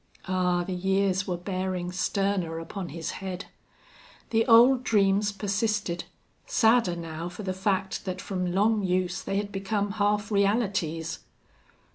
Ah! the years were bearing sterner upon his head! The old dreams persisted, sadder now for the fact that from long use they had become half realities!